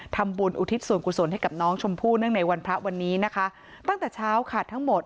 ทำบุญอุทิศศวรกุศลให้กับน้องชมพู่เนื่องในวันพระวันนี้นะคะ